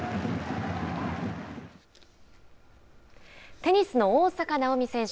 テニスの大坂なおみ選手。